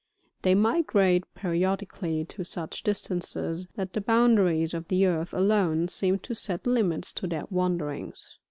They migrate periodically to such distances, that the boundaries of the earth alone seem to set limits to their wanderings."